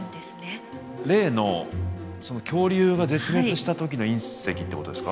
例のその恐竜が絶滅した時の隕石ってことですか？